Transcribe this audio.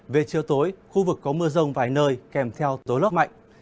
về chiều tối khu vực có mưa rông vài nơi kèm theo tố lốc mạnh